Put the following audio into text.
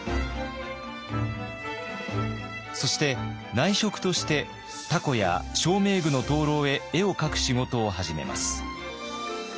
そして内職として凧や照明具の灯籠へ絵を描く仕事を始めます。